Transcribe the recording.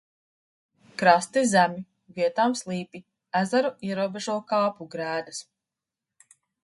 Krasti zemi, vietām slīpi, ezeru ierobežo kāpu grēdas.